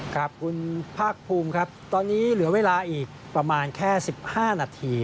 ครับคุณภาคภูมิครับตอนนี้เหลือเวลาอีกประมาณแค่๑๕นาที